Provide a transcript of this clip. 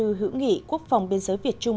giao lưu hữu nghị quốc phòng biên giới việt trung